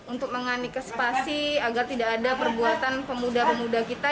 untuk menganik ke spasi agar tidak ada perbuatan pemuda pemuda kita